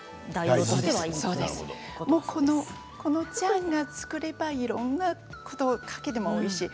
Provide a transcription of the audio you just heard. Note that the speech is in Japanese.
このジャンが作ればいろんなところにかけてもおいしい。